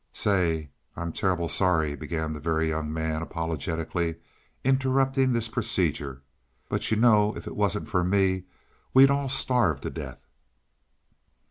"Say, I'm terrible sorry," began the Very Young Man, apologetically interrupting this procedure. "But you know if it wasn't for me, we'd all starve to death."